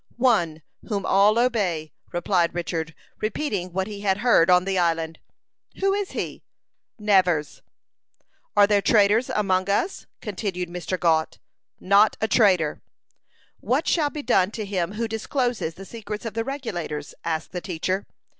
"One, whom all obey," replied Richard, repeating what he had heard on the island. "Who is he?" "Nevers." "Are there traitors among us?" continued Mr. Gault. "Not a traitor." "What shall be done to him who discloses the secrets of the Regulators?" asked the teacher.